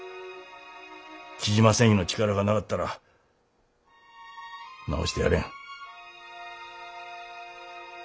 雉真繊維の力がなかったら治してやれん。